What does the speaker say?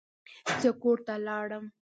زه کور ته لاړم.